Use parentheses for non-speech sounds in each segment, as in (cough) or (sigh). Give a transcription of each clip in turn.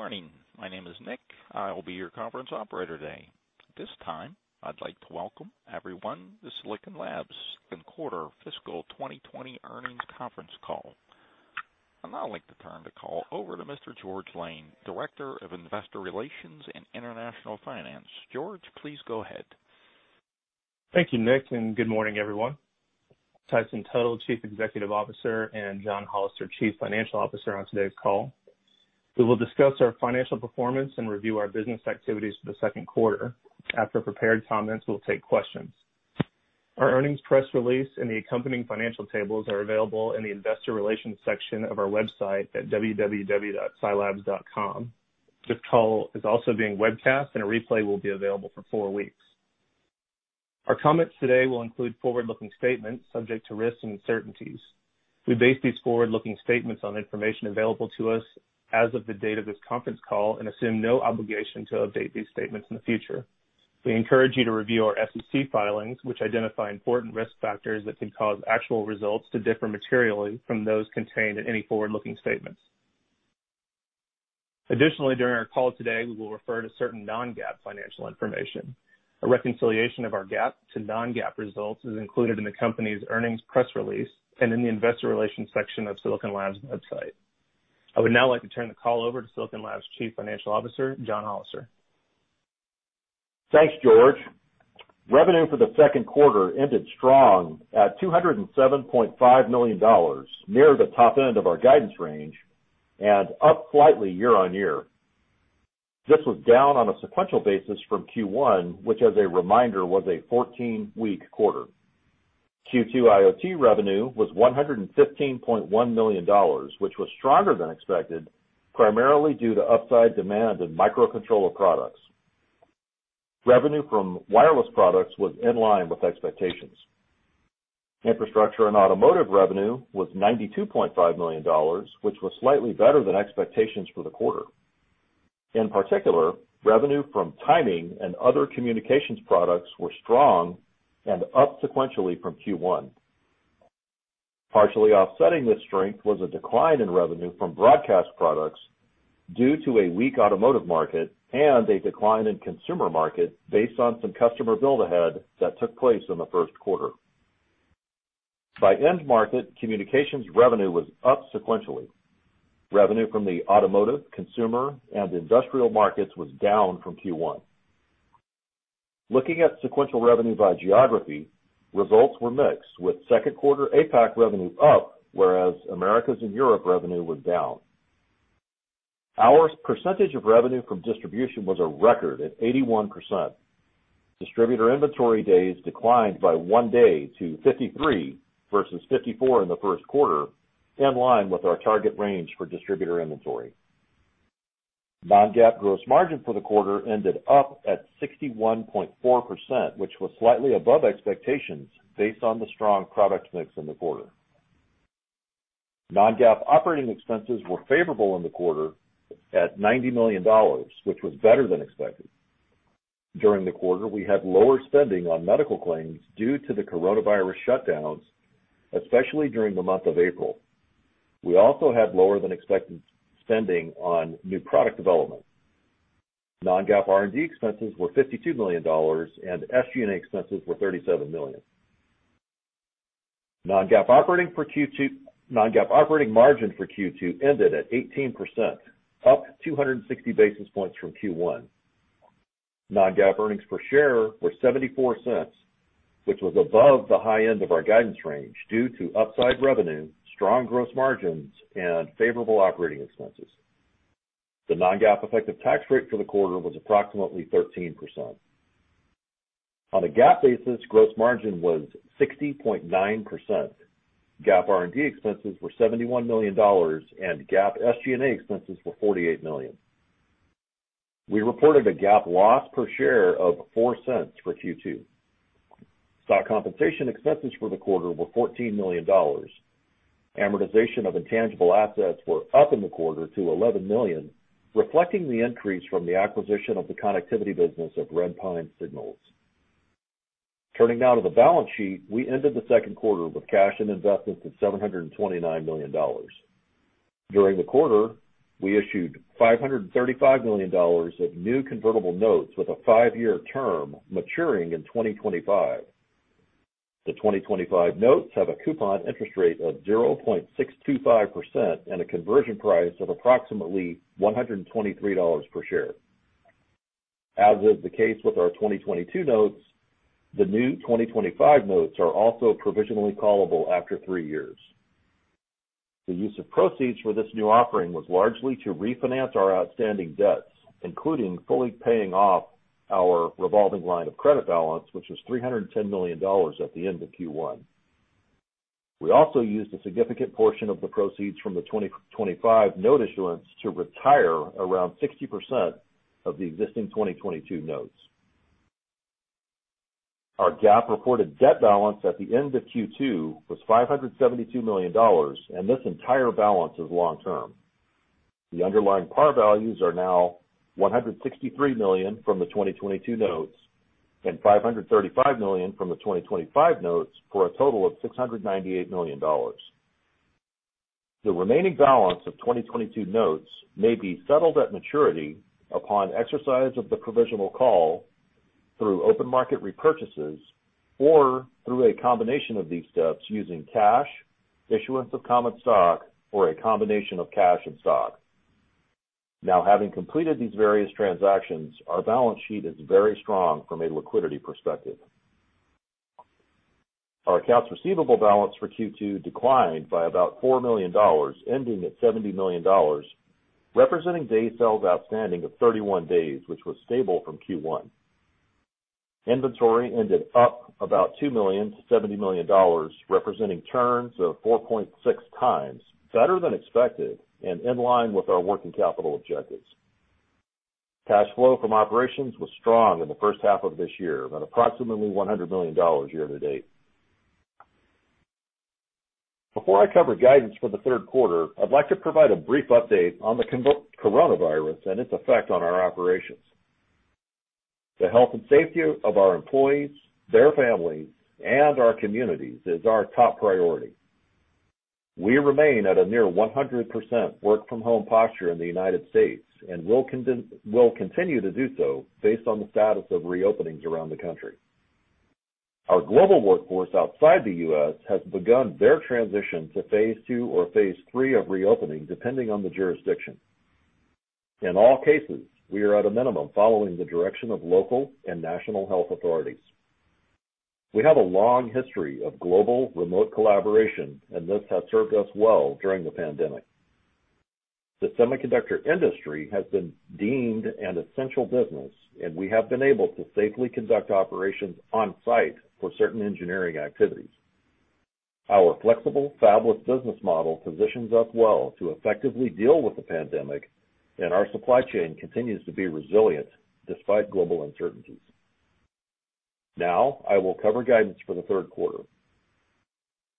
Good morning. My name is Nick. I will be your conference operator today. At this time, I'd like to welcome everyone to Silicon Labs' second quarter fiscal 2020 earnings conference call. I'd like to turn the call over to Mr. George Lane, Director of Investor Relations and International Finance. George, please go ahead. Thank you, Nick, and good morning, everyone. Tyson Tuttle, Chief Executive Officer, and John Hollister, Chief Financial Officer, on today's call. We will discuss our financial performance and review our business activities for the second quarter. After prepared comments, we'll take questions. Our earnings press release and the accompanying financial tables are available in the Investor Relations section of our website at www.silabs.com. This call is also being webcast, and a replay will be available for four weeks. Our comments today will include forward-looking statements subject to risks and uncertainties. We base these forward-looking statements on information available to us as of the date of this conference call and assume no obligation to update these statements in the future. We encourage you to review our SEC filings, which identify important risk factors that could cause actual results to differ materially from those contained in any forward-looking statements. Additionally, during our call today, we will refer to certain non-GAAP financial information. A reconciliation of our GAAP to non-GAAP results is included in the company's earnings press release and in the Investor Relations section of Silicon Labs website. I would now like to turn the call over to Silicon Labs Chief Financial Officer, John Hollister. Thanks, George. Revenue for the second quarter ended strong at $207.5 million, near the top end of our guidance range, and up slightly year-on-year. This was down on a sequential basis from Q1, which, as a reminder, was a 14-week quarter. Q2 IoT revenue was $115.1 million, which was stronger than expected, primarily due to upside demand in microcontroller products. Revenue from wireless products was in line with expectations. Infrastructure and automotive revenue was $92.5 million, which was slightly better than expectations for the quarter. In particular, revenue from timing and other communications products was strong and up sequentially from Q1. Partially offsetting this strength was a decline in revenue from broadcast products due to a weak automotive market and a decline in consumer market based on some customer build-ahead that took place in the first quarter. By end market, communications revenue was up sequentially. Revenue from the automotive, consumer, and industrial markets was down from Q1. Looking at sequential revenue by geography, results were mixed, with second quarter APAC revenue up, whereas America's and Europe's revenue was down. Our percentage of revenue from distribution was a record at 81%. Distributor inventory days declined by one day to 53 versus 54 in the first quarter, in line with our target range for distributor inventory. Non-GAAP gross margin for the quarter ended up at 61.4%, which was slightly above expectations based on the strong product mix in the quarter. Non-GAAP operating expenses were favorable in the quarter at $90 million, which was better than expected. During the quarter, we had lower spending on medical claims due to the coronavirus shutdowns, especially during the month of April. We also had lower than expected spending on new product development. Non-GAAP R&D expenses were $52 million, and SG&A expenses were $37 million. Non-GAAP operating margin for Q2 ended at 18%, up 260 basis points from Q1. Non-GAAP earnings per share were $0.74, which was above the high end of our guidance range due to upside revenue, strong gross margins, and favorable operating expenses. The non-GAAP effective tax rate for the quarter was approximately 13%. On a GAAP basis, gross margin was 60.9%. GAAP R&D expenses were $71 million, and GAAP SG&A expenses were $48 million. We reported a GAAP loss per share of $0.04 for Q2. Stock compensation expenses for the quarter were $14 million. Amortization of intangible assets were up in the quarter to $11 million, reflecting the increase from the acquisition of the connectivity business of Redpine Signals. Turning now to the balance sheet, we ended the second quarter with cash and investments of $729 million. During the quarter, we issued $535 million of new convertible notes with a five-year term maturing in 2025. The 2025 notes have a coupon interest rate of 0.625% and a conversion price of approximately $123 per share. As is the case with our 2022 notes, the new 2025 notes are also provisionally callable after three years. The use of proceeds for this new offering was largely to refinance our outstanding debts, including fully paying off our revolving line of credit balance, which was $310 million at the end of Q1. We also used a significant portion of the proceeds from the 2025 note issuance to retire around 60% of the existing 2022 notes. Our GAAP reported debt balance at the end of Q2 was $572 million, and this entire balance is long-term. The underlying par values are now $163 million from the 2022 notes and $535 million from the 2025 notes for a total of $698 million. The remaining balance of 2022 notes may be settled at maturity upon exercise of the provisional call through open market repurchases or through a combination of these steps using cash, issuance of common stock, or a combination of cash and stock. Now, having completed these various transactions, our balance sheet is very strong from a liquidity perspective. Our accounts receivable balance for Q2 declined by about $4 million, ending at $70 million, representing day sales outstanding of 31 days, which was stable from Q1. Inventory ended up about $2 million to $70 million, representing turns of 4.6 times, better than expected and in line with our working capital objectives. Cash flow from operations was strong in the first half of this year at approximately $100 million year-to-date. Before I cover guidance for the third quarter, I'd like to provide a brief update on the coronavirus and its effect on our operations. The health and safety of our employees, their families, and our communities is our top priority. We remain at a near 100% work-from-home posture in the U.S. and will continue to do so based on the status of reopenings around the country. Our global workforce outside the U.S. has begun their transition to phase II or phase III of reopening, depending on the jurisdiction. In all cases, we are at a minimum following the direction of local and national health authorities. We have a long history of global remote collaboration, and this has served us well during the pandemic. The semiconductor industry has been deemed an essential business, and we have been able to safely conduct operations on-site for certain engineering activities. Our flexible, fabless business model positions us well to effectively deal with the pandemic, and our supply chain continues to be resilient despite global uncertainties. Now, I will cover guidance for the third quarter.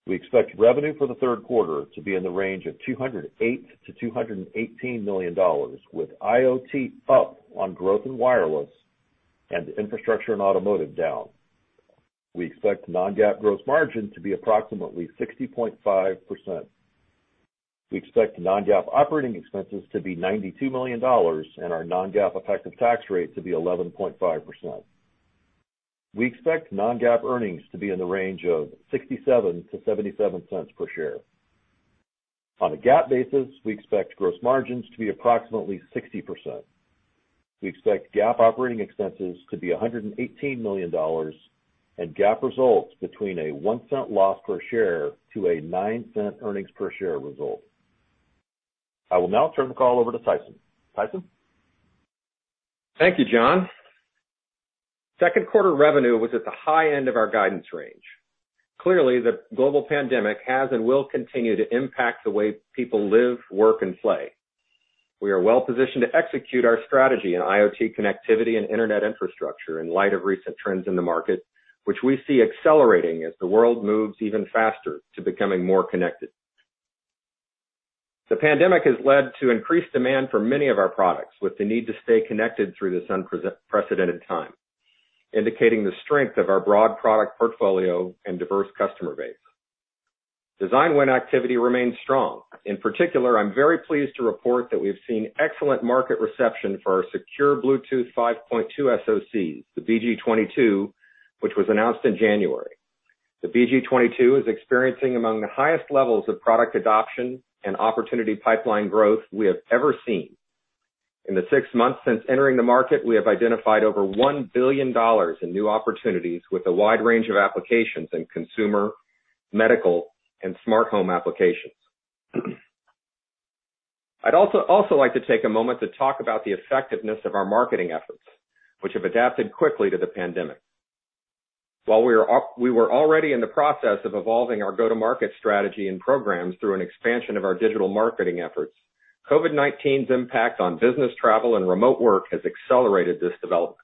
We expect revenue for the third quarter to be in the range of $208-$218 million, with IoT up on growth in wireless and infrastructure and automotive down. We expect non-GAAP gross margin to be approximately 60.5%. We expect non-GAAP operating expenses to be $92 million and our non-GAAP effective tax rate to be 11.5%. We expect non-GAAP earnings to be in the range of $0.67-$0.77 per share. On a GAAP basis, we expect gross margins to be approximately 60%. We expect GAAP operating expenses to be $118 million and GAAP results between a $0.01 loss per share to a $0.09 earnings per share result. I will now turn the call over to Tyson. Tyson? Thank you, John. Second quarter revenue was at the high end of our guidance range. Clearly, the global pandemic has and will continue to impact the way people live, work, and play. We are well-positioned to execute our strategy in IoT connectivity and internet infrastructure in light of recent trends in the market, which we see accelerating as the world moves even faster to becoming more connected. The pandemic has led to increased demand for many of our products, with the need to stay connected through this unprecedented time, indicating the strength of our broad product portfolio and diverse customer base. Design win activity remains strong. In particular, I'm very pleased to report that we have seen excellent market reception for our secure Bluetooth 5.2 SoCs, the BG22, which was announced in January. The BG22 is experiencing among the highest levels of product adoption and opportunity pipeline growth we have ever seen. In the six months since entering the market, we have identified over $1 billion in new opportunities with a wide range of applications in consumer, medical, and smart home applications. I'd also like to take a moment to talk about the effectiveness of our marketing efforts, which have adapted quickly to the pandemic. While we were already in the process of evolving our go-to-market strategy and programs through an expansion of our digital marketing efforts, COVID-19's impact on business travel and remote work has accelerated this development.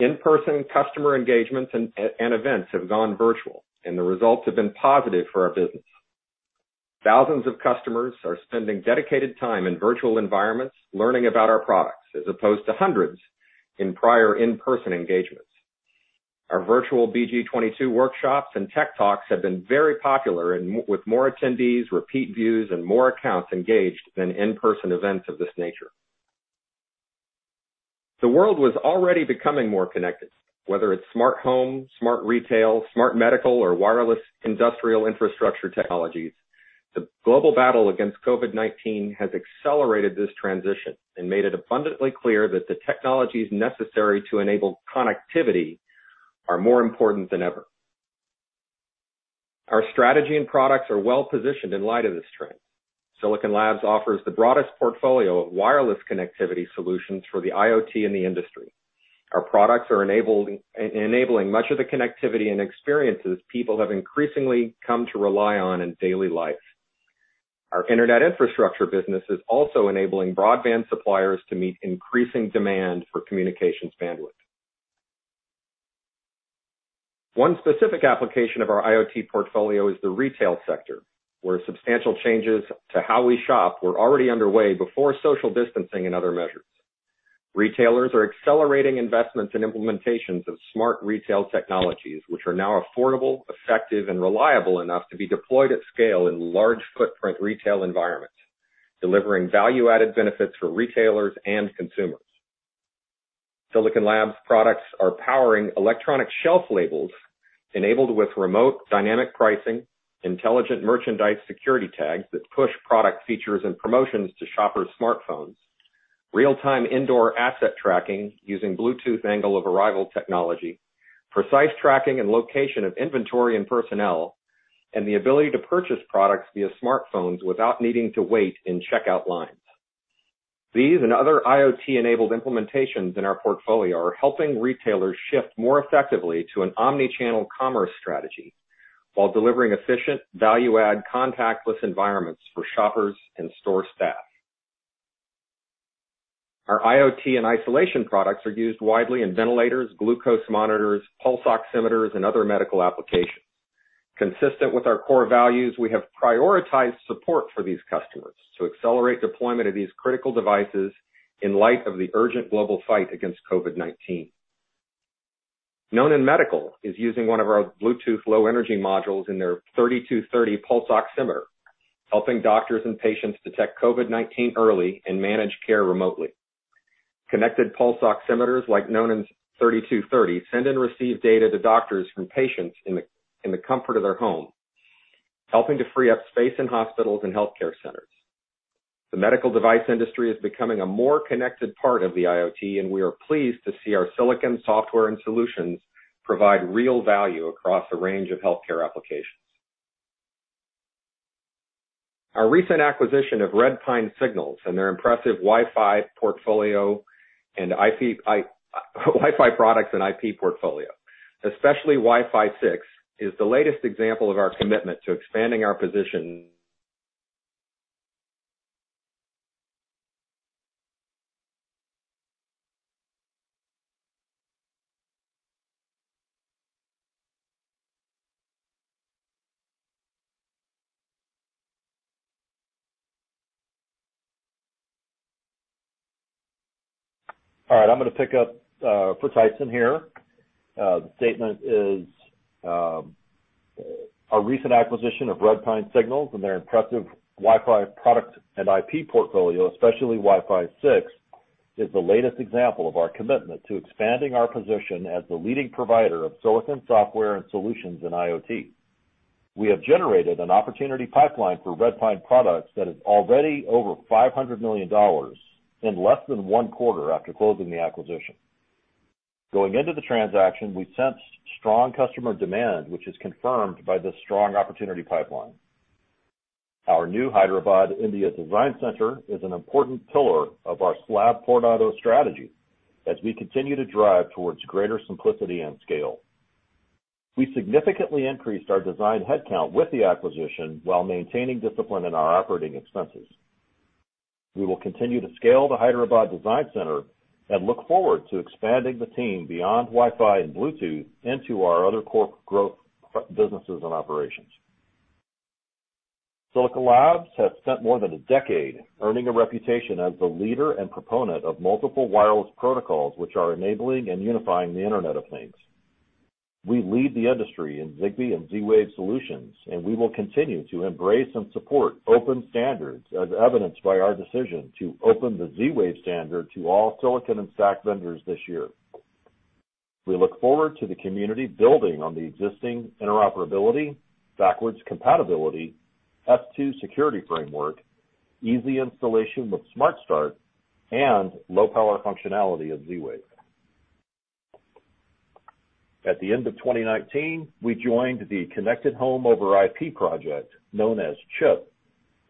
In-person customer engagements and events have gone virtual, and the results have been positive for our business. Thousands of customers are spending dedicated time in virtual environments learning about our products, as opposed to hundreds in prior in-person engagements. Our virtual BG22 workshops and tech talks have been very popular, with more attendees, repeat views, and more accounts engaged than in-person events of this nature. The world was already becoming more connected. Whether it's smart home, smart retail, smart medical, or wireless industrial infrastructure technologies, the global battle against COVID-19 has accelerated this transition and made it abundantly clear that the technologies necessary to enable connectivity are more important than ever. Our strategy and products are well-positioned in light of this trend. Silicon Labs offers the broadest portfolio of wireless connectivity solutions for the IoT and the industry. Our products are enabling much of the connectivity and experiences people have increasingly come to rely on in daily life. Our internet infrastructure business is also enabling broadband suppliers to meet increasing demand for communications bandwidth. One specific application of our IoT portfolio is the retail sector, where substantial changes to how we shop were already underway before social distancing and other measures. Retailers are accelerating investments and implementations of smart retail technologies, which are now affordable, effective, and reliable enough to be deployed at scale in large-footprint retail environments, delivering value-added benefits for retailers and consumers. Silicon Labs products are powering electronic shelf labels enabled with remote dynamic pricing, intelligent merchandise security tags that push product features and promotions to shoppers' smartphones, real-time indoor asset tracking using Bluetooth angle of arrival technology, precise tracking and location of inventory and personnel, and the ability to purchase products via smartphones without needing to wait in checkout lines. These and other IoT-enabled implementations in our portfolio are helping retailers shift more effectively to an omnichannel commerce strategy while delivering efficient, value-add, contactless environments for shoppers and store staff. Our IoT and isolation products are used widely in ventilators, glucose monitors, pulse oximeters, and other medical applications. Consistent with our core values, we have prioritized support for these customers to accelerate deployment of these critical devices in light of the urgent global fight against COVID-19. Nonin Medical is using one of our Bluetooth low-energy modules in their 3230 pulse oximeter, helping doctors and patients detect COVID-19 early and manage care remotely. Connected pulse oximeters like the Nonin 3230 send and receive data to doctors and patients in the comfort of their home, helping to free up space in hospitals and healthcare centers. The medical device industry is becoming a more connected part of the IoT, and we are pleased to see our silicon software and solutions provide real value across a range of healthcare applications. Our recent acquisition of Redpine Signals and their impressive Wi-Fi portfolio and Wi-Fi products and IP portfolio, especially Wi-Fi 6, is the latest example of our commitment to expanding our position. All right, I'm going to pick up for Tyson here. The statement is our recent acquisition of Redpine Signals and their impressive Wi-Fi product and IP portfolio, especially Wi-Fi 6, is the latest example of our commitment to expanding our position as the leading provider of silicon software and solutions in IoT. We have generated an opportunity pipeline for Redpine products that is already over $500 million in less than one quarter after closing the acquisition. Going into the transaction, we sensed strong customer demand, which is confirmed by this strong opportunity pipeline. Our new Hyderabad, India Design Center is an important pillar of our SLAB for auto strategy as we continue to drive towards greater simplicity and scale. We significantly increased our design headcount with the acquisition while maintaining discipline in our operating expenses. We will continue to scale the Hyderabad Design Center and look forward to expanding the team beyond Wi-Fi and Bluetooth into our other core growth businesses and operations. Silicon Labs has spent more than a decade earning a reputation as the leader and proponent of multiple wireless protocols, which are enabling and unifying the Internet of Things. We lead the industry in Zigbee and Z-Wave solutions, and we will continue to embrace and support open standards, as evidenced by our decision to open the Z-Wave standard to all silicon and stack vendors this year. We look forward to the community building on the existing interoperability, backwards compatibility, S2 security framework, easy installation with SmartStart, and low-power functionality of Z-Wave. At the end of 2019, we joined the Connected Home Over IP project known as CHIP,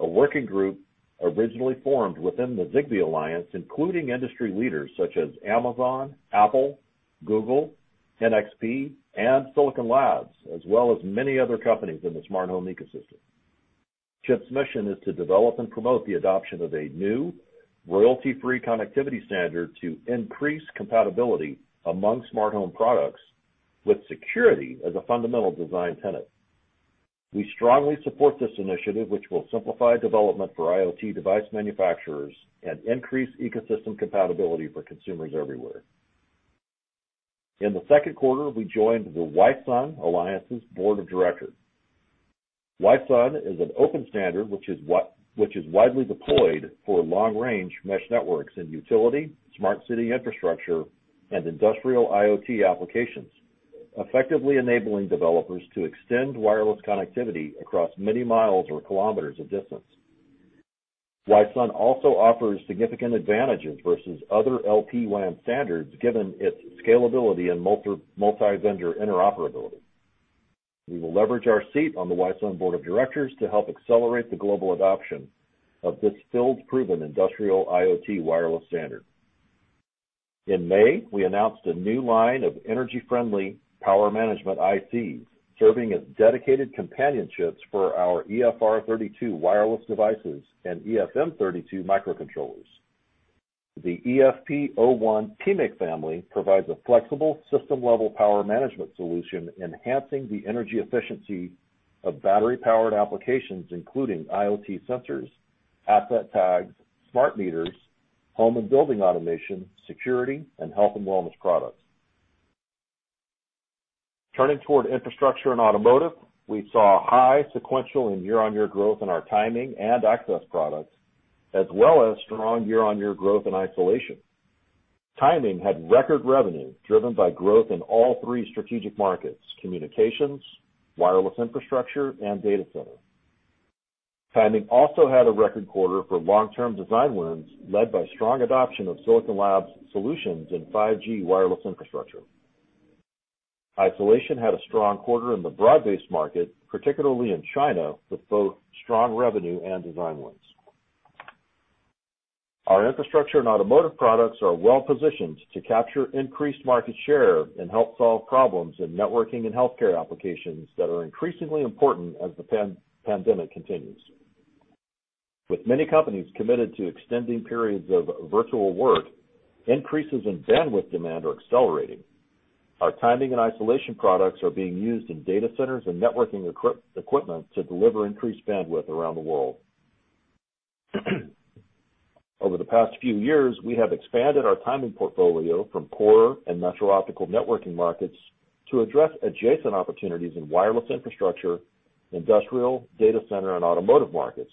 a working group originally formed within the Zigbee Alliance, including industry leaders such as Amazon, Apple, Google, NXP, and Silicon Labs, as well as many other companies in the smart home ecosystem. CHIP's mission is to develop and promote the adoption of a new royalty-free connectivity standard to increase compatibility among smart home products with security as a fundamental design tenet. We strongly support this initiative, which will simplify development for IoT device manufacturers and increase ecosystem compatibility for consumers everywhere. In the second quarter, we joined the Wi-Sun Alliance's board of directors. Wi-Sun is an open standard which is widely deployed for long-range mesh networks in utility, smart city infrastructure, and industrial IoT applications, effectively enabling developers to extend wireless connectivity across many miles or kilometers of distance. Wi-Sun also offers significant advantages versus other LPWAN standards, given its scalability and multi-vendor interoperability. We will leverage our seat on the Wi-Sun board of directors to help accelerate the global adoption of this field-proven industrial IoT wireless standard. In May, we announced a new line of energy-friendly power management ICs serving as dedicated companionships for our EFR32 wireless devices and EFM32 microcontrollers. The EFP01 PMIC family provides a flexible system-level power management solution, enhancing the energy efficiency of battery-powered applications, including IoT sensors, asset tags, smart meters, home and building automation, security, and health and wellness products. Turning toward infrastructure and automotive, we saw high sequential and year-on-year growth in our timing and access products, as well as strong year-on-year growth in isolation. Timing had record revenue driven by growth in all three strategic markets: communications, wireless infrastructure, and data center. Timing also had a record quarter for long-term design wins led by strong adoption of Silicon Labs solutions in 5G wireless infrastructure. Isolation had a strong quarter in the broad-based market, particularly in China, with both strong revenue and design wins. Our infrastructure and automotive products are well-positioned to capture increased market share and help solve problems in networking and healthcare applications that are increasingly important as the pandemic continues. With many companies committed to extending periods of virtual work, increases in bandwidth demand are accelerating. Our timing and isolation products are being used in data centers and networking equipment to deliver increased bandwidth around the world. Over the past few years, we have expanded our timing portfolio from core and Metro Optical Networking markets to address adjacent opportunities in wireless infrastructure, industrial, data center, and automotive markets,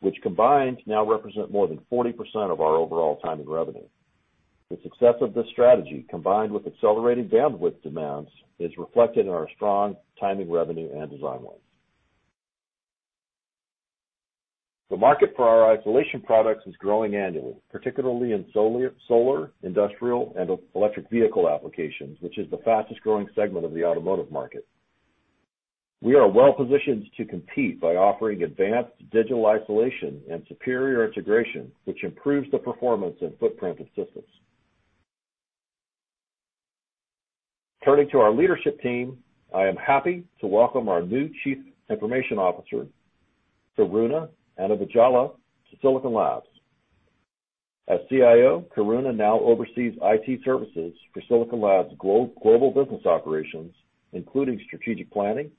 which combined now represent more than 40% of our overall timing revenue. The success of this strategy, combined with accelerating bandwidth demands, is reflected in our strong timing revenue and design one. The market for our isolation products is growing annually, particularly in solar, industrial, and electric vehicle applications, which is the fastest-growing segment of the automotive market. We are well-positioned to compete by offering advanced digital isolation and superior integration, which improves the performance and footprint of systems. Turning to our leadership team, I am happy to welcome our new Chief Information Officer, Karuna Annavajjala, to Silicon Labs. As CIO, Karuna now oversees IT services for Silicon Labs global business operations, including strategic planning,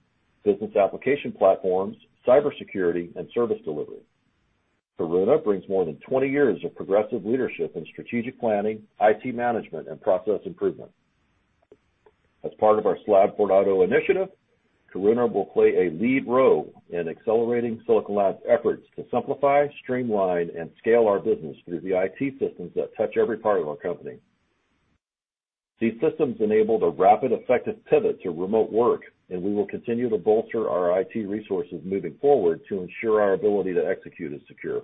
business application platforms, cybersecurity, and service delivery. Karuna brings more than 20 years of progressive leadership in strategic planning, IT management, and process improvement. As part of our SLAB for auto initiative, Karuna will play a lead role in accelerating Silicon Labs efforts to simplify, streamline, and scale our business through the IT systems that touch every part of our company. These systems enable a rapid, effective pivot to remote work, and we will continue to bolster our IT resources moving forward to ensure our ability to execute is secure.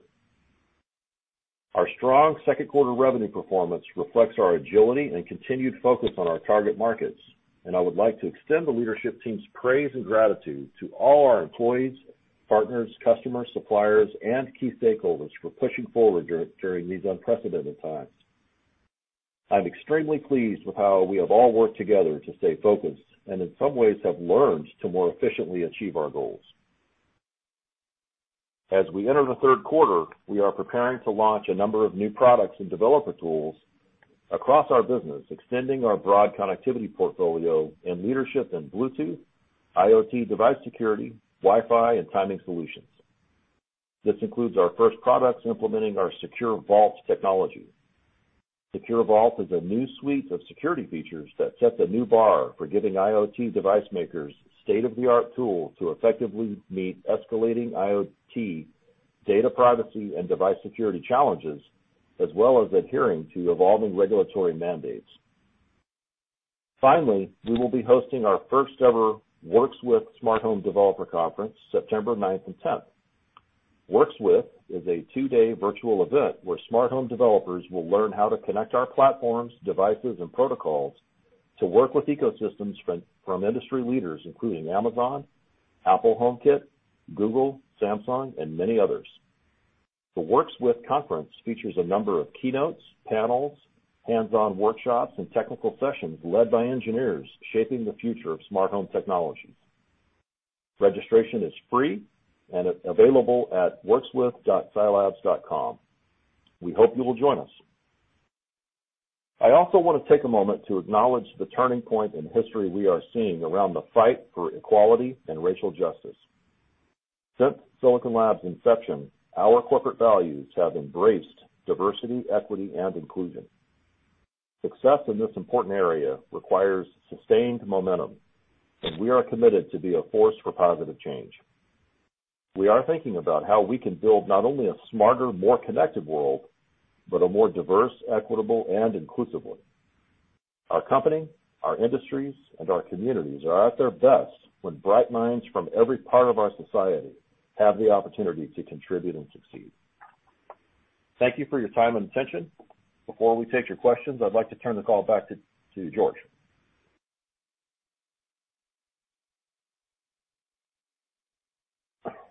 Our strong second-quarter revenue performance reflects our agility and continued focus on our target markets, and I would like to extend the leadership team's praise and gratitude to all our employees, partners, customers, suppliers, and key stakeholders for pushing forward during these unprecedented times. I'm extremely pleased with how we have all worked together to stay focused and, in some ways, have learned to more efficiently achieve our goals. As we enter the third quarter, we are preparing to launch a number of new products and developer tools across our business, extending our broad connectivity portfolio in leadership and Bluetooth, IoT device security, Wi-Fi, and timing solutions. This includes our first products implementing our Secure Vault technology. Secure Vault is a new suite of security features that sets a new bar for giving IoT device makers state-of-the-art tools to effectively meet escalating IoT data privacy and device security challenges, as well as adhering to evolving regulatory mandates. Finally, we will be hosting our first-ever Works With smart home developer conference, September 9th and 10th. Works With is a two-day virtual event where smart home developers will learn how to connect our platforms, devices, and protocols to work with ecosystems from industry leaders, including Amazon, Apple HomeKit, Google, Samsung, and many others. The Works With conference features a number of keynotes, panels, hands-on workshops, and technical sessions led by engineers shaping the future of smart home technologies. Registration is free and available at workswith.silabs.com. We hope you will join us. I also want to take a moment to acknowledge the turning point in history we are seeing around the fight for equality and racial justice. Since Silicon Labs inception, our corporate values have embraced diversity, equity, and inclusion. Success in this important area requires sustained momentum, and we are committed to be a force for positive change. We are thinking about how we can build not only a smarter, more connected world, but a more diverse, equitable, and inclusive one. Our company, our industries, and our communities are at their best when bright minds from every part of our society have the opportunity to contribute and succeed. Thank you for your time and attention. Before we take your questions, I'd like to turn the call back to George.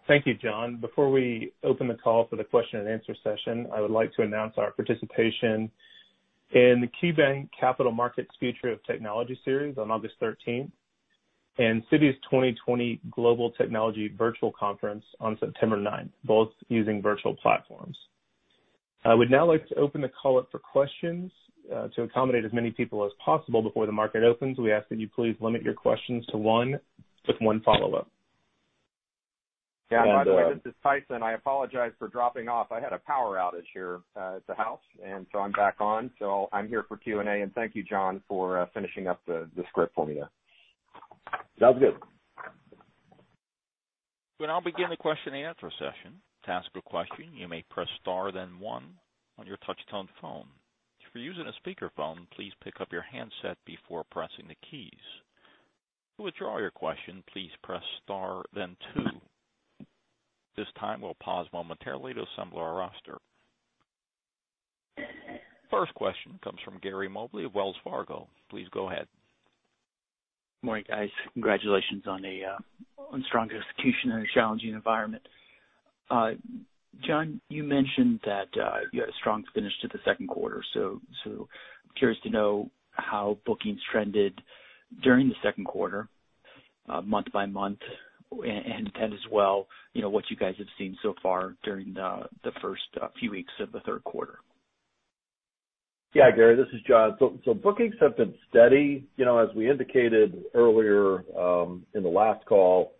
Thank you, John. Before we open the call for the question-and-answer session, I would like to announce our participation in the KeyBank Capital Markets Future of Technology Series on August 13 and Citi's 2020 Global Technology Virtual Conference on September 9th, both using virtual platforms. I would now like to open the call up for questions to accommodate as many people as possible. Before the market opens, we ask that you please limit your questions to one with one follow-up. Yeah, by the way, this is Tyson. I apologize for dropping off. I had a power outage here at the house, and so I'm back on. I'm here for Q&A, and thank you, John, for finishing up the script for me there. Sounds good. We'll now begin the question-and-answer session. To ask a question, you may press star, then one on your touch-tone phone. If you're using a speakerphone, please pick up your handset before pressing the keys. To withdraw your question, please press star, then two. At this time, we'll pause momentarily to assemble our roster. First question comes from Gary Mobley of Wells Fargo. Please go ahead. Good morning, guys. Congratulations on a strong execution in a challenging environment. John, you mentioned that you had a strong finish to the second quarter. I'm curious to know how bookings trended during the second quarter, month-by-month, and as well what you guys have seen so far during the first few weeks of the third quarter. Yeah, Gary, this is John. Bookings have been steady. As we indicated earlier in the last call,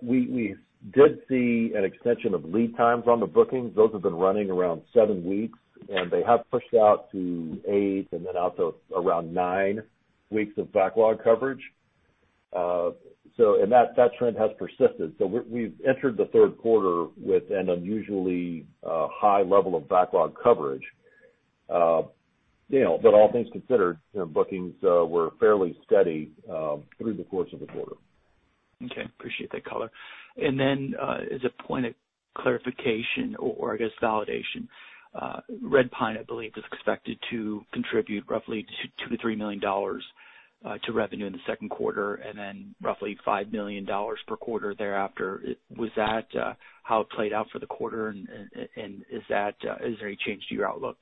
we did see an extension of lead times on the bookings. Those have been running around seven weeks, and they have pushed out to eight and then out to around nine weeks of backlog coverage. That trend has persisted. We have entered the third quarter with an unusually high level of backlog coverage. All things considered, bookings were fairly steady through the course of the quarter. Okay. Appreciate that, color. As a point of clarification or, I guess, validation, Redpine, I believe, is expected to contribute roughly $2 million-$3 million to revenue in the second quarter and then roughly $5 million per quarter thereafter. Was that how it played out for the quarter, and is there any change to your outlook?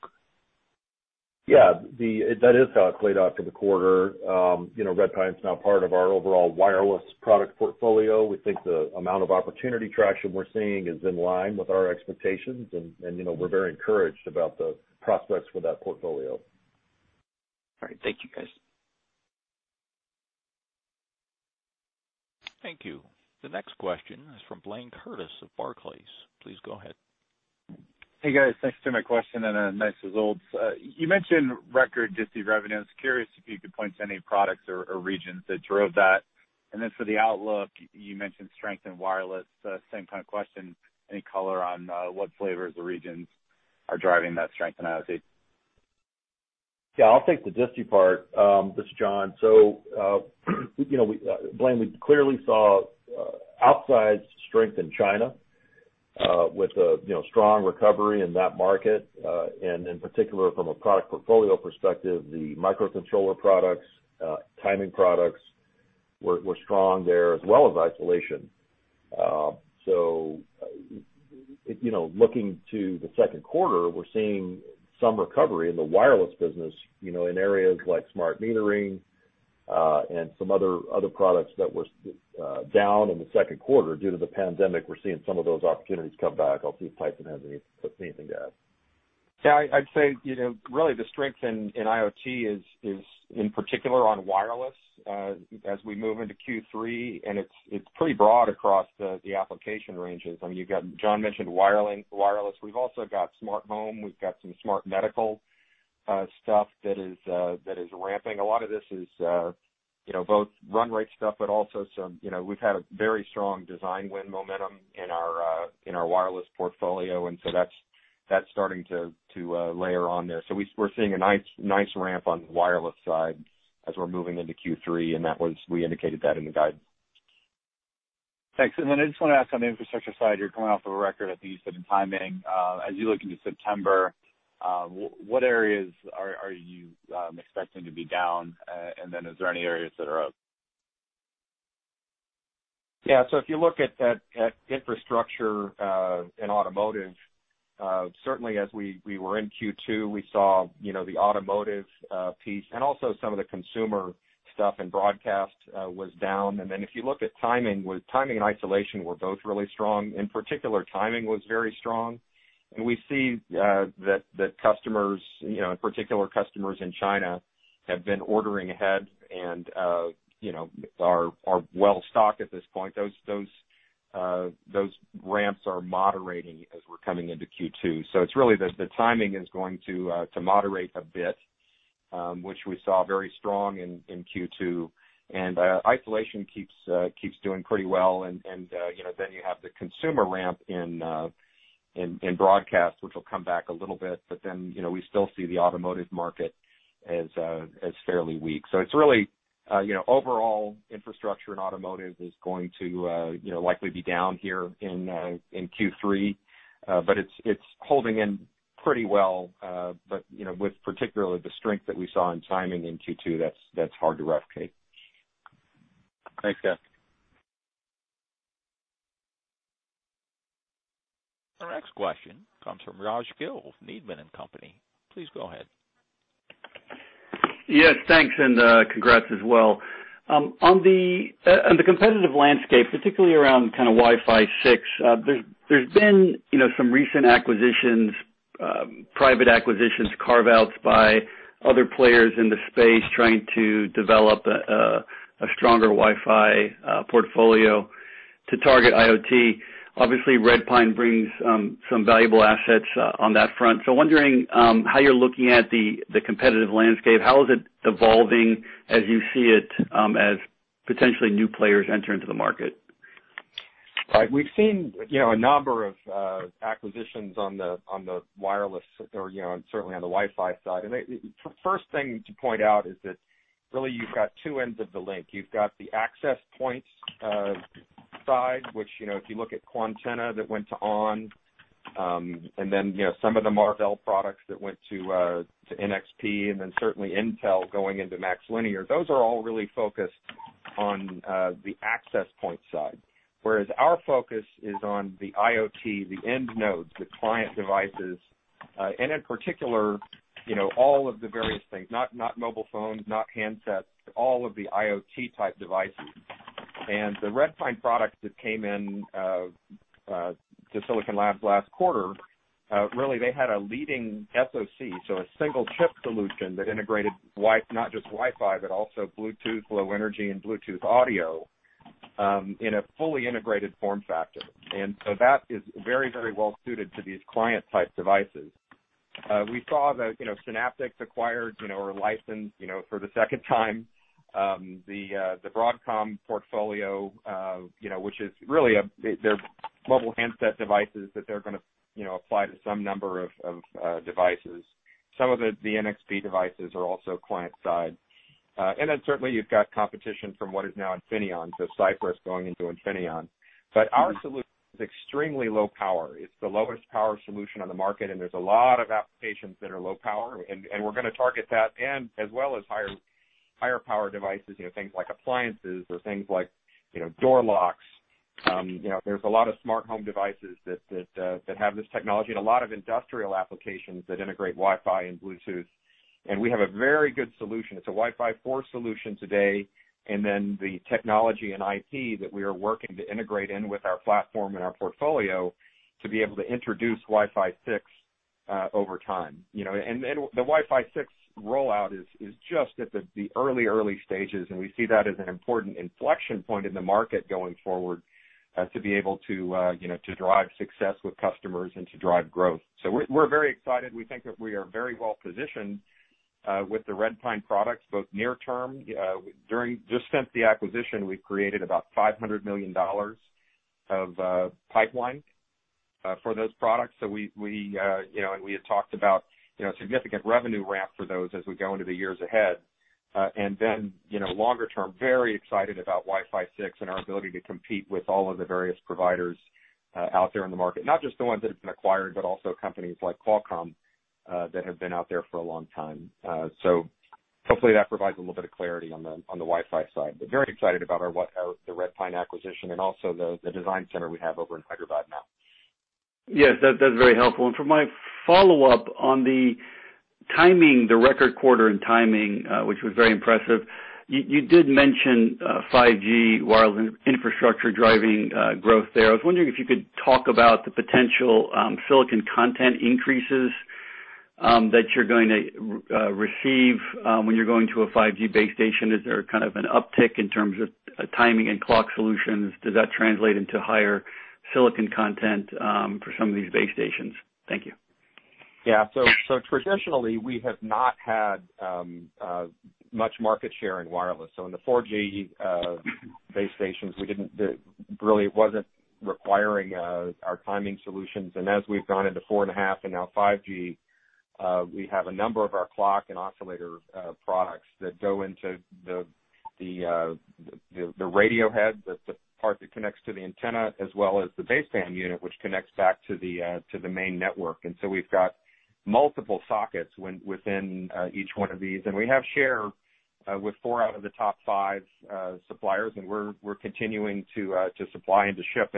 Yeah, that is how it played out for the quarter. Redpine's now part of our overall wireless product portfolio. We think the amount of opportunity traction we're seeing is in line with our expectations, and we're very encouraged about the prospects for that portfolio. All right. Thank you, guys. Thank you. The next question is from Blayne Curtis of Barclays. Please go ahead. Hey, guys. Thanks for my question and a nice result. You mentioned record district revenue. I'm curious if you could point to any products or regions that drove that. For the outlook, you mentioned strength in wireless. Same kind of question. Any color on what flavors or regions are driving that strength in IoT? Yeah, I'll take the district part. This is John. Blayne, we clearly saw outsized strength in China with a strong recovery in that market. In particular, from a product portfolio perspective, the microcontroller products, timing products were strong there, as well as isolation. Looking to the second quarter, we're seeing some recovery in the wireless business in areas like smart metering and some other products that were down in the second quarter. Due to the pandemic, we're seeing some of those opportunities come back. I'll see if Tyson has anything to add. Yeah, I'd say really the strength in IoT is, in particular, on wireless as we move into Q3, and it's pretty broad across the application ranges. I mean, John mentioned wireless. We have also got smart home. We have got some smart medical stuff that is ramping. A lot of this is both run rate stuff, but also we have had a very strong design win momentum in our wireless portfolio, and so that is starting to layer on there. We are seeing a nice ramp on the wireless side as we are moving into Q3, and we indicated that in the guide. Thanks. I just want to ask on the infrastructure side, you are coming off of a record, I think you said, in timing. As you look into September, what areas are you expecting to be down, and is there any area that is up? Yeah, if you look at infrastructure in automotive, certainly as we were in Q2, we saw the automotive piece and also some of the consumer stuff and broadcast was down. If you look at timing, timing and isolation were both really strong. In particular, timing was very strong. We see that customers, in particular customers in China, have been ordering ahead and are well stocked at this point. Those ramps are moderating as we're coming into Q2. It is really the timing that is going to moderate a bit, which we saw very strong in Q2. Isolation keeps doing pretty well. You have the consumer ramp in broadcast, which will come back a little bit, but we still see the automotive market as fairly weak. It is really overall infrastructure in automotive that is going to likely be down here in Q3, but it is holding in pretty well. With particularly the strength that we saw in timing in Q2, that is hard to replicate. Thanks, guys. Our next question comes from Raj Gill of Needham & Company. Please go ahead. Yes, thanks, and congrats as well. On the competitive landscape, particularly around kind of Wi-Fi 6, there's been some recent acquisitions, private acquisitions, carve-outs by other players in the space trying to develop a stronger Wi-Fi portfolio to target IoT. Obviously, Redpine brings some valuable assets on that front. I'm wondering how you're looking at the competitive landscape. How is it evolving as you see it as potentially new players enter into the market? We've seen a number of acquisitions on the wireless or certainly on the Wi-Fi side. The first thing to point out is that really you've got two ends of the link. You've got the access points side, which if you look at Quantenna that went to on, and then some of the Marvell products that went to NXP, and then certainly Intel going into MaxLinear. Those are all really focused on the access point side. Whereas our focus is on the IoT, the end nodes, the client devices, and in particular, all of the various things, not mobile phones, not handsets, all of the IoT type devices. The Redpine product that came into Silicon Labs last quarter, really they had a leading SoC, so a single chip solution that integrated not just Wi-Fi, but also Bluetooth, low energy, and Bluetooth audio in a fully integrated form factor. That is very, very well suited to these client-type devices. We saw that Synaptics acquired or licensed for the second time the Broadcom portfolio, which is really their mobile handset devices that they're going to apply to some number of devices. Some of the NXP devices are also client-side. Certainly you've got competition from what is now Infineon, so Cypress going into Infineon. Our solution is extremely low power. It's the lowest power solution on the market, and there's a lot of applications that are low power. We're going to target that as well as higher power devices, things like appliances or things like door locks. There's a lot of smart home devices that have this technology and a lot of industrial applications that integrate Wi-Fi and Bluetooth. We have a very good solution. It's a Wi-Fi 4 solution today, and the technology and IP that we are working to integrate in with our platform and our portfolio to be able to introduce Wi-Fi 6 over time. The Wi-Fi 6 rollout is just at the early, early stages, and we see that as an important inflection point in the market going forward to be able to drive success with customers and to drive growth. We are very excited. We think that we are very well positioned with the Redpine products, both near term. Just since the acquisition, we've created about $500 million of pipeline for those products. We had talked about a significant revenue ramp for those as we go into the years ahead. Longer term, very excited about Wi-Fi 6 and our ability to compete with all of the various providers out there in the market, not just the ones that have been acquired, but also companies like Qualcomm that have been out there for a long time. Hopefully that provides a little bit of clarity on the Wi-Fi side. Very excited about the Redpine acquisition and also the design center we have over in Hyderabad now. Yes, that's very helpful. For my follow-up on the record quarter and timing, which was very impressive, you did mention 5G wireless infrastructure driving growth there. I was wondering if you could talk about the potential silicon content increases that you're going to receive when you're going to a 5G base station. Is there kind of an uptick in terms of timing and clock solutions? Does that translate into higher silicon content for some of these base stations? Thank you. Yeah. Traditionally, we have not had much market share in wireless. In the 4G base stations, it really was not requiring our timing solutions. As we have gone into 4.5G and now 5G, we have a number of our clock and oscillator products that go into the radio head, the part that connects to the antenna, as well as the baseband unit, which connects back to the main network. We have multiple sockets within each one of these. We have share with four out of the top five suppliers, and we are continuing to supply and to ship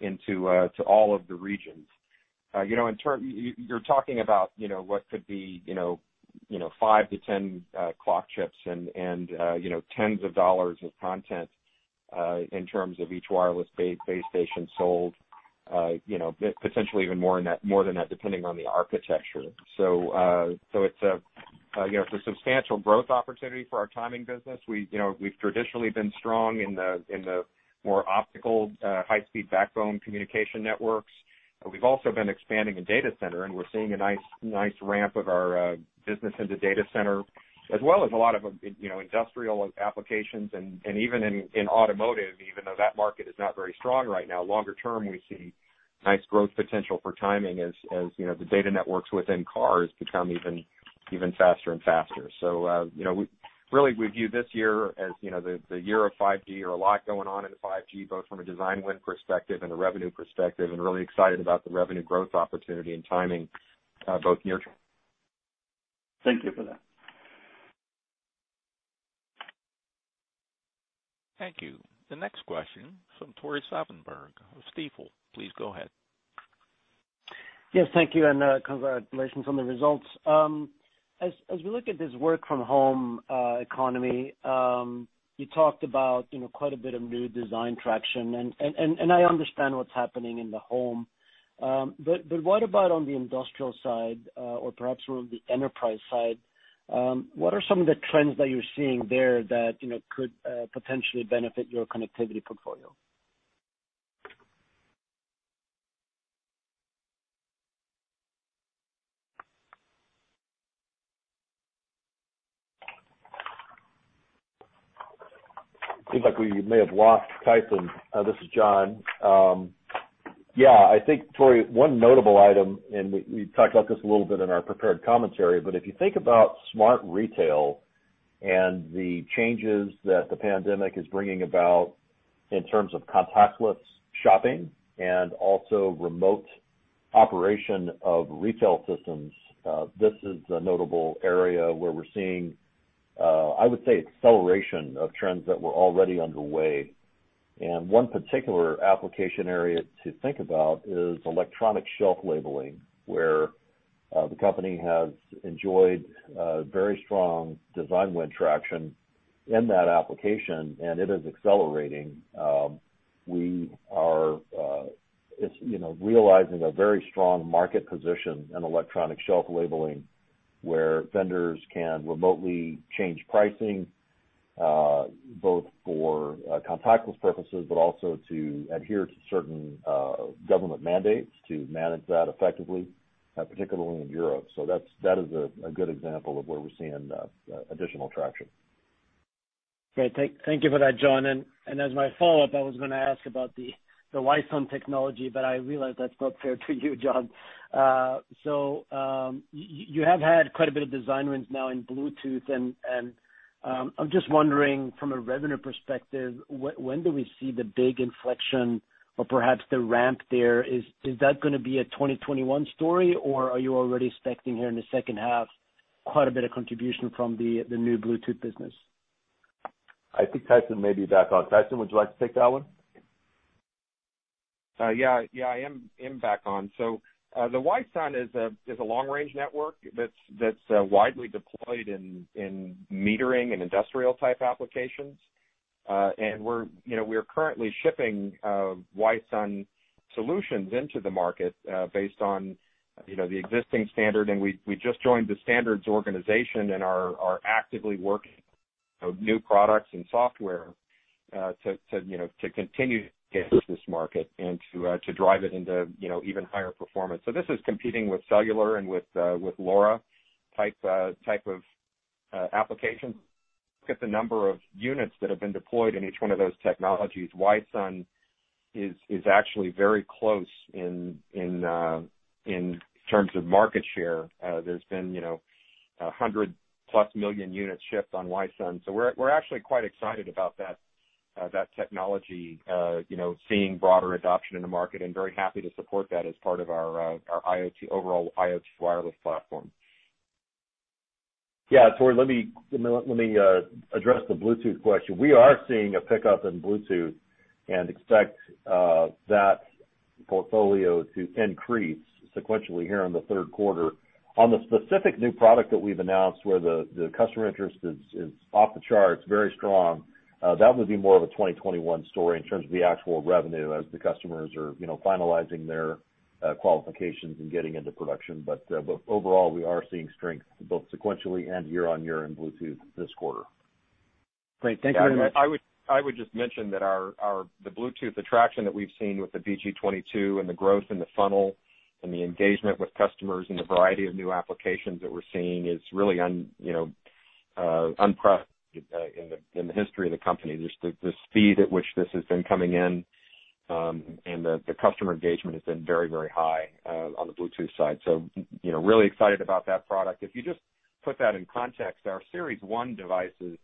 into all of the regions. You're talking about what could be five to 10 clock chips and tens of dollars of content in terms of each wireless base station sold, potentially even more than that depending on the architecture. It is a substantial growth opportunity for our timing business. We've traditionally been strong in the more optical high-speed backbone communication networks. We've also been expanding in data center, and we're seeing a nice ramp of our business into data center, as well as a lot of industrial applications and even in automotive, even though that market is not very strong right now. Longer term, we see nice growth potential for timing as the data networks within cars become even faster and faster. Really, we view this year as the year of 5G. There are a lot going on in 5G, both from a design win perspective and a revenue perspective, and really excited about the revenue growth opportunity and timing both near term. Thank you for that. Thank you. The next question is from Tore Svanberg of Stifel. Please go ahead. Yes, thank you. And congratulations on the results. As we look at this work-from-home economy, you talked about quite a bit of new design traction, and I understand what's happening in the home. But what about on the industrial side or perhaps on the enterprise side? What are some of the trends that you're seeing there that could potentially benefit your connectivity portfolio? Seems like we may have lost Tyson. This is John. Yeah, I think, Tore, one notable item, and we talked about this a little bit in our prepared commentary, but if you think about smart retail and the changes that the pandemic is bringing about in terms of contactless shopping and also remote operation of retail systems, this is a notable area where we're seeing, I would say, acceleration of trends that were already underway. One particular application area to think about is electronic shelf labeling, where the company has enjoyed very strong design win traction in that application, and it is accelerating. We are realizing a very strong market position in electronic shelf labeling, where vendors can remotely change pricing both for contactless purposes, but also to adhere to certain government mandates to manage that effectively, particularly in Europe. That is a good example of where we're seeing additional traction. Great. Thank you for that, John. As my follow-up, I was going to ask about the Wi-SUN technology, but I realize that's not fair to you, John. You have had quite a bit of design wins now in Bluetooth, and I'm just wondering, from a revenue perspective, when do we see the big inflection or perhaps the ramp there? Is that going to be a 2021 story, or are you already expecting here in the second half quite a bit of contribution from the new Bluetooth business? I think Tyson may be back on. Tyson, would you like to take that one? Yeah, yeah, I am back on. The Wi-SUN is a long-range network that's widely deployed in metering and industrial-type applications. We're currently shipping Wi-SUN solutions into the market based on the existing standard, and we just joined the standards organization and are actively working on new products and software to continue to get into this market and to drive it into even higher performance. This is competing with Cellular and with LoRa type of applications. Look at the number of units that have been deployed in each one of those technologies. Wi-SUN is actually very close in terms of market share. There's been 100-plus million units shipped on Wi-SUN. We're actually quite excited about that technology, seeing broader adoption in the market, and very happy to support that as part of our overall IoT wireless platform. Yeah, Tore, let me address the Bluetooth question. We are seeing a pickup in Bluetooth and expect that portfolio to increase sequentially here in the third quarter. On the specific new product that we've announced where the customer interest is off the charts, very strong, that would be more of a 2021 story in terms of the actual revenue as the customers are finalizing their qualifications and getting into production. Overall, we are seeing strength both sequentially and year-on-year in Bluetooth this quarter. Thank you very much. I would just mention that the Bluetooth attraction that we've seen with the BG22 and the growth in the funnel and the engagement with customers and the variety of new applications that we're seeing is really unprecedented in the history of the company. The speed at which this has been coming in and the customer engagement has been very, very high on the Bluetooth side. Really excited about that product. If you just put that in context, our Series 1 devices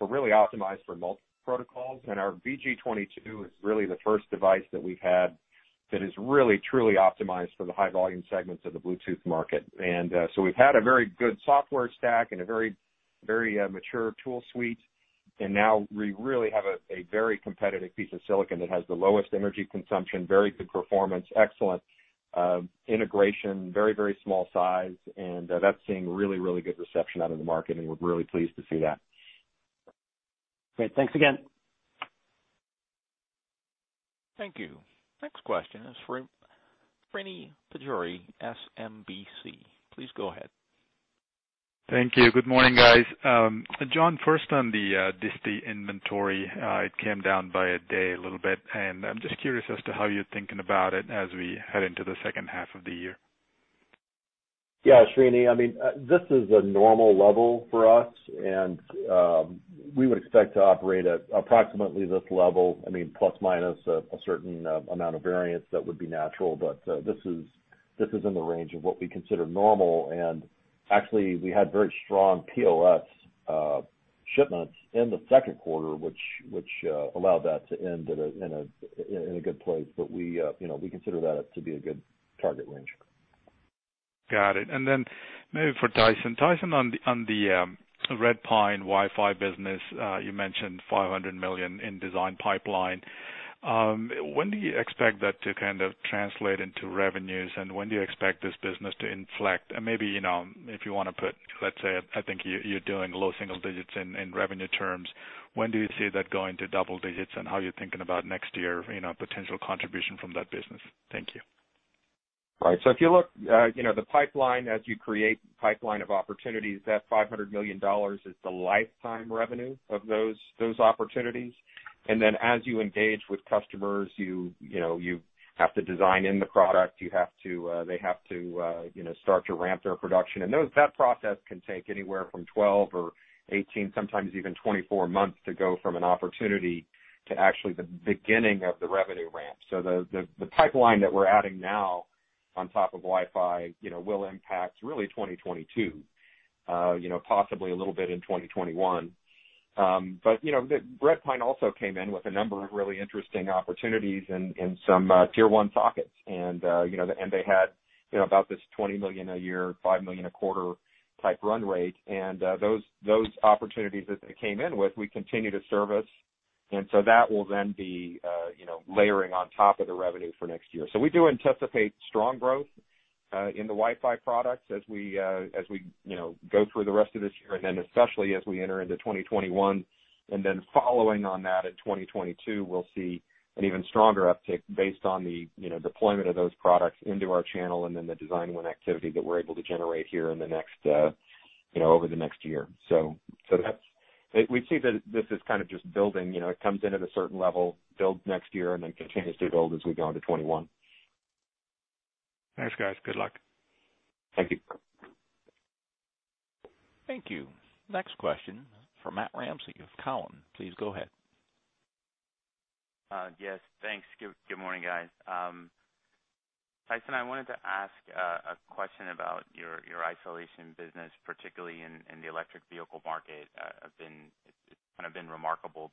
are really optimized for multiple protocols, and our BG22 is really the first device that we've had that is really, truly optimized for the high-volume segments of the Bluetooth market. We have had a very good software stack and a very mature tool suite, and now we really have a very competitive piece of silicon that has the lowest energy consumption, very good performance, excellent integration, very, very small size, and that's seeing really, really good reception out in the market, and we're really pleased to see that. Great. Thanks again. Thank you. Next question is for Srini Pajjuri, SMBC. Please go ahead. Thank you. Good morning, guys. John, first on the distant inventory. It came down by a day a little bit, and I'm just curious as to how you're thinking about it as we head into the second half of the year? Yeah, Srini, I mean, this is a normal level for us, and we would expect to operate at approximately this level, I mean, plus minus a certain amount of variance that would be natural, but this is in the range of what we consider normal. Actually, we had very strong POFs shipments in the second quarter, which allowed that to end in a good place, but we consider that to be a good target range. Got it. Maybe for Tyson. Tyson, on the Redpine Wi-Fi business, you mentioned $500 million in design pipeline. When do you expect that to kind of translate into revenues, and when do you expect this business to inflect? Maybe if you want to put, let's say, I think you're doing low single digits in revenue terms. When do you see that going to double digits and how you're thinking about next year's potential contribution from that business? Thank you. Right. If you look, the pipeline, as you create pipeline of opportunities, that $500 million is the lifetime revenue of those opportunities. As you engage with customers, you have to design in the product. They have to start to ramp their production. That process can take anywhere from 12 or 18, sometimes even 24 months to go from an opportunity to actually the beginning of the revenue ramp. The pipeline that we're adding now on top of Wi-Fi will impact really 2022, possibly a little bit in 2021. Redpine also came in with a number of really interesting opportunities and some tier one sockets. They had about this $20 million a year, $5 million a quarter type run rate. Those opportunities that they came in with, we continue to service. That will then be layering on top of the revenue for next year. We do anticipate strong growth in the Wi-Fi products as we go through the rest of this year, and then especially as we enter into 2021. Following on that in 2022, we will see an even stronger uptick based on the deployment of those products into our channel and then the design win activity that we are able to generate here over the next year. We see that this is kind of just building.It comes in at a certain level, builds next year, and then continues to build as we go into 2021. Thanks, guys. Good luck. Thank you. Thank you. Next question from Matt Ramsey of Cowen. Please go ahead. Yes. Thanks. Good morning, guys. Tyson, I wanted to ask a question about your isolation business, particularly in the electric vehicle market. It's kind of been remarkable,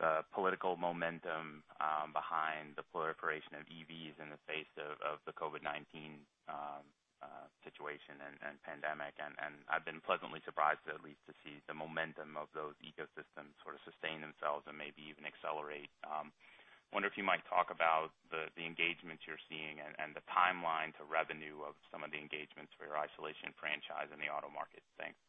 the political momentum behind the proliferation of EVs in the face of the COVID-19 situation and pandemic. And I've been pleasantly surprised, at least, to see the momentum of those ecosystems sort of sustain themselves and maybe even accelerate. I wonder if you might talk about the engagements you're seeing and the timeline to revenue of some of the engagements for your isolation franchise in the auto market. Thanks.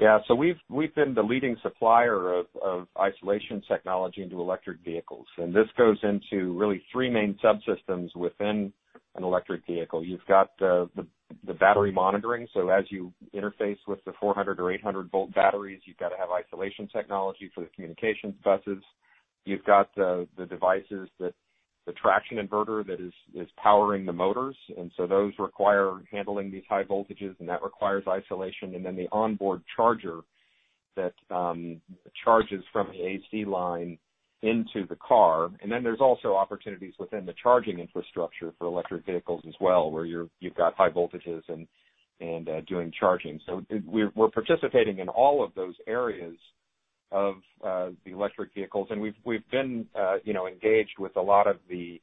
Yeah. We've been the leading supplier of isolation technology into electric vehicles. This goes into really three main subsystems within an electric vehicle. You've got the battery monitoring. As you interface with the 400 or 800-volt batteries, you've got to have isolation technology for the communication buses. You've got the devices, the traction inverter that is powering the motors. Those require handling these high voltages, and that requires isolation. The onboard charger charges from the AC line into the car. There are also opportunities within the charging infrastructure for electric vehicles as well, where you've got high voltages and doing charging. We're participating in all of those areas of the electric vehicles. We've been engaged with a lot of the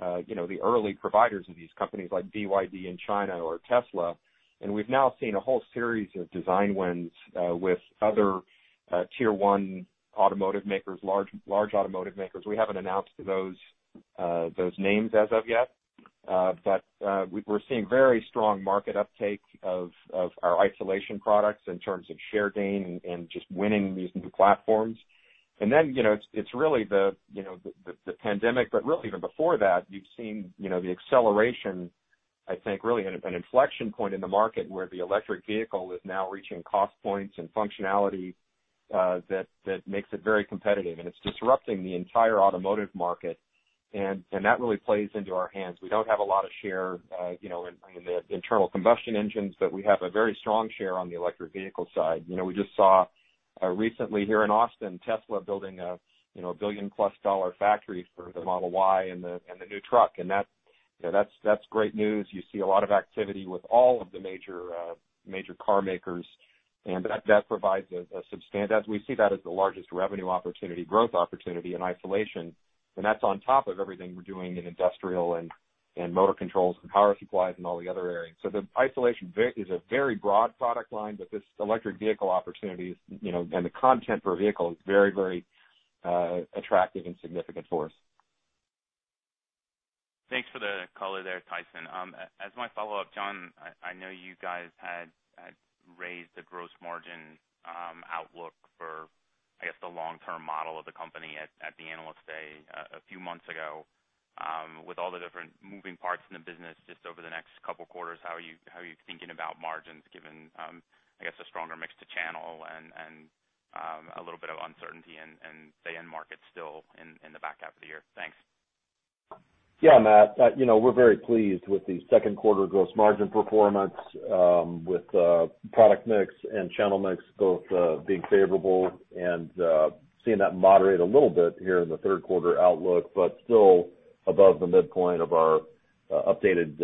early providers of these companies like BYD in China or Tesla. We've now seen a whole series of design wins with other tier one automotive makers, large automotive makers. We haven't announced those names as of yet, but we're seeing very strong market uptake of our isolation products in terms of share gain and just winning these new platforms. It's really the pandemic, but really even before that, you've seen the acceleration, I think, really an inflection point in the market where the electric vehicle is now reaching cost points and functionality that makes it very competitive. It's disrupting the entire automotive market. That really plays into our hands. We don't have a lot of share in the internal combustion engines, but we have a very strong share on the electric vehicle side. We just saw recently here in Austin, Tesla building a billion plus dollar factory for the Model Y and the new truck. That's great news. You see a lot of activity with all of the major car makers. That provides a substantial—we see that as the largest revenue opportunity, growth opportunity in isolation. That is on top of everything we are doing in industrial and motor controls and power supplies and all the other areas. The isolation is a very broad product line, but this electric vehicle opportunity and the content for a vehicle is very, very attractive and significant for us. Thanks for the color there, Tyson. As my follow-up, John, I know you guys had raised the gross margin outlook for, I guess, the long-term model of the company at the analyst day a few months ago. With all the different moving parts in the business, just over the next couple of quarters, how are you thinking about margins given, I guess, a stronger mix to channel and a little bit of uncertainty and day-end markets still in the back half of the year? Thanks. Yeah, Matt. We're very pleased with the second quarter gross margin performance, with product mix and channel mix both being favorable and seeing that moderate a little bit here in the third quarter outlook, but still above the midpoint of our updated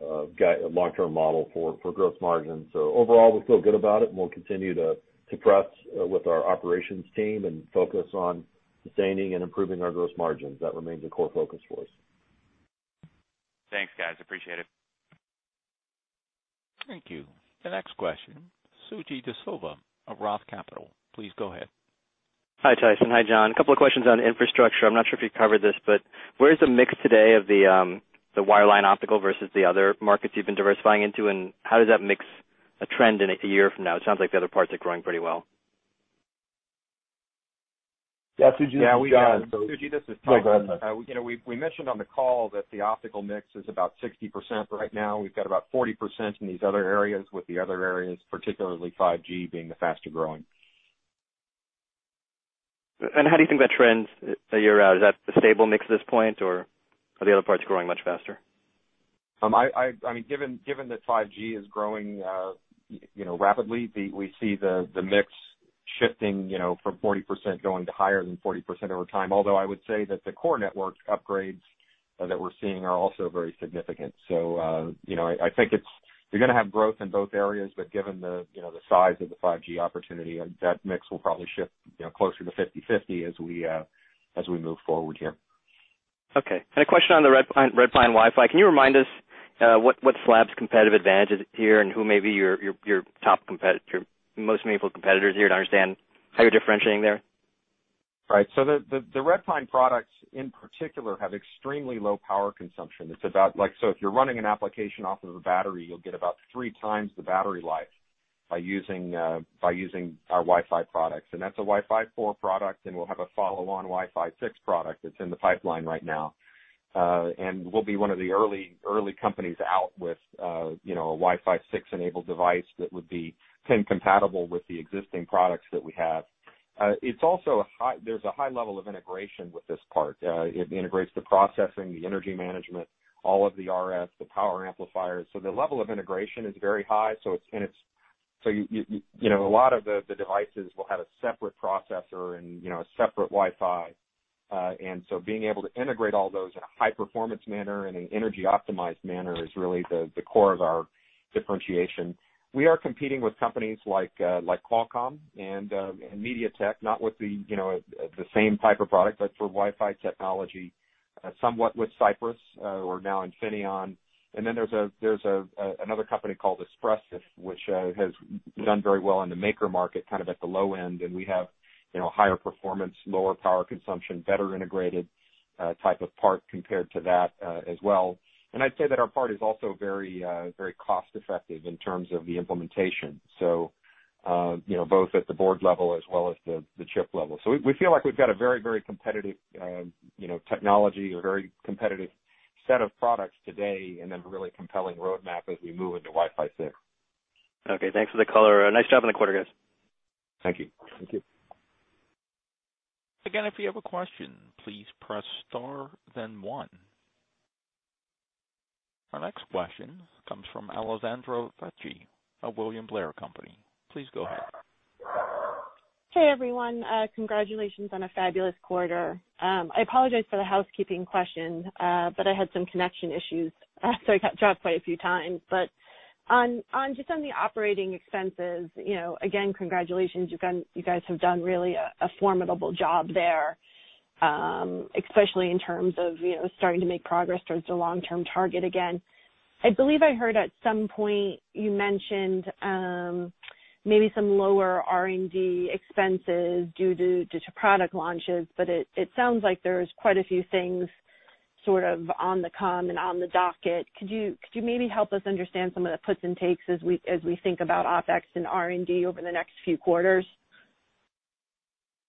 long-term model for gross margins. Overall, we feel good about it, and we'll continue to press with our operations team and focus on sustaining and improving our gross margins. That remains a core focus for us. Thanks, guys. Appreciate it. Thank you. The next question, Suji DeSilva of Roth Capital. Please go ahead. Hi, Tyson. Hi, John. A couple of questions on infrastructure. I'm not sure if you covered this, but where is the mix today of the Wireline Optical versus the other markets you've been diversifying into, and how does that mix trend in a year from now? It sounds like the other parts are growing pretty well. (audio distortion) We mentioned on the call that the optical mix is about 60% right now. We've got about 40% in these other areas, with the other areas, particularly 5G, being the faster growing. How do you think that trends a year out? Is that the stable mix at this point, or are the other parts growing much faster? I mean, given that 5G is growing rapidly, we see the mix shifting from 40% going to higher than 40% over time. Although I would say that the core network upgrades that we're seeing are also very significant. I think you're going to have growth in both areas, but given the size of the 5G opportunity, that mix will probably shift closer to 50-50 as we move forward here. Okay.A question on the Redpine Wi-Fi. Can you remind us what Silicon Labs competitive advantages are here and who may be your most meaningful competitors here to understand how you're differentiating there? Right. The Redpine products in particular have extremely low power consumption. If you're running an application off of a battery, you'll get about 3x the battery life by using our Wi-Fi products. That's a Wi-Fi 4 product, and we'll have a follow-on Wi-Fi 6 product that's in the pipeline right now. We'll be one of the early companies out with a Wi-Fi 6-enabled device that would be compatible with the existing products that we have. There's a high level of integration with this part. It integrates the processing, the energy management, all of the RF, the power amplifiers. The level of integration is very high, and a lot of the devices will have a separate processor and a separate Wi-Fi. Being able to integrate all those in a high-performance manner and an energy-optimized manner is really the core of our differentiation. We are competing with companies like Qualcomm and MediaTek, not with the same type of product, but for Wi-Fi technology, somewhat with Cypress, or now Infineon. There is another company called Espressif, which has done very well in the maker market, kind of at the low end. We have higher performance, lower power consumption, better integrated type of part compared to that as well. I would say that our part is also very cost-effective in terms of the implementation, both at the board level as well as the chip level. We feel like we've got a very, very competitive technology, a very competitive set of products today, and then a really compelling roadmap as we move into Wi-Fi 6. Okay. Thanks for the color. Nice job in the quarter, guys. Thank you. Thank you. Again, if you have a question, please press star, then one. Our next question comes from Alessandra Vecchi of William Blair & Company. Please go ahead. Hey, everyone. Congratulations on a fabulous quarter. I apologize for the housekeeping question, but I had some connection issues, so I got dropped quite a few times. But on - just on the operating expenses, again, congratulations. You guys have done really a formidable job there, especially in terms of starting to make progress towards the long-term target again. I believe I heard at some point you mentioned maybe some lower R&D expenses due to product launches, but it sounds like there's quite a few things sort of on the come and on the docket. Could you maybe help us understand some of the puts and takes as we think about OpEx and R&D over the next few quarters?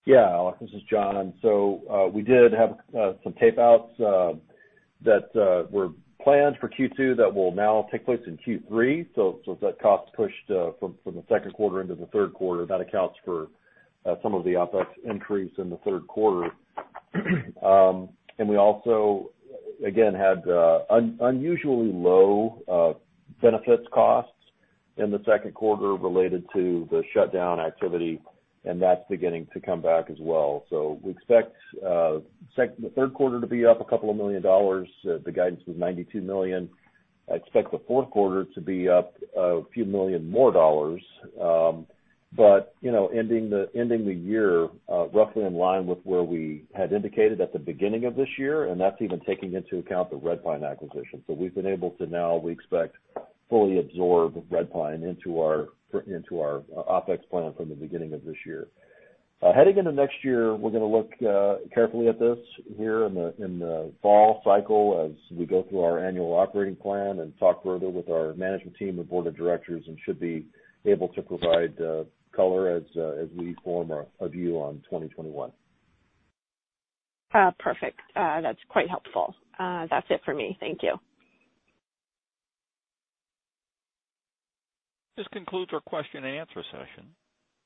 Yeah. This is John. We did have some tapeouts that were planned for Q2 that will now take place in Q3. That cost pushed from the second quarter into the third quarter. That accounts for some of the OpEx increase in the third quarter. We also, again, had unusually low benefits costs in the second quarter related to the shutdown activity, and that's beginning to come back as well. We expect the third quarter to be up a couple of million dollars. The guidance was $92 million. I expect the fourth quarter to be up a few million more dollars. Ending the year roughly in line with where we had indicated at the beginning of this year, and that is even taking into account the Redpine acquisition. We have been able to now, we expect, fully absorb Redpine into our OpEx plan from the beginning of this year. Heading into next year, we are going to look carefully at this here in the fall cycle as we go through our annual operating plan and talk further with our management team and board of directors and should be able to provide color as we form a view on 2021. Perfect. That's quite helpful. That is it for me. Thank you. This concludes our question-and-answer session.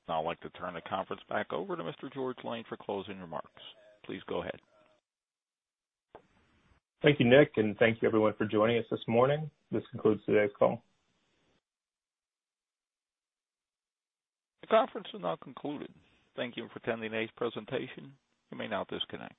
Now I would like to turn the conference back over to Mr. George Lane for closing remarks. Please go ahead. Thank you, Nick, and thank you, everyone, for joining us this morning. This concludes today's call. The conference is now concluded. Thank you for attending today's presentation. You may now disconnect.